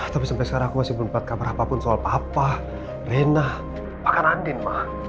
tapi sampai sekarang aku masih belum dapat kabar apapun soal papa rina bahkan andin ma